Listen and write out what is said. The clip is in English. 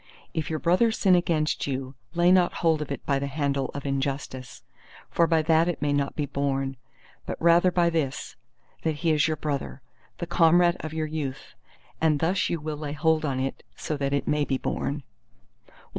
If your brother sin against you lay not hold of it by the handle of injustice, for by that it may not be borne: but rather by this, that he is your brother, the comrade of your youth; and thus you will lay hold on it so that it may be borne.